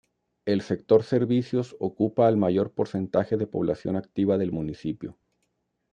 El sector servicios ocupa al mayor porcentaje de población activa del municipio.